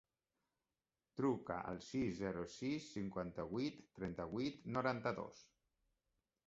Truca al sis, zero, sis, cinquanta-vuit, trenta-vuit, noranta-dos.